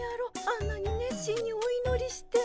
あんなに熱心においのりして。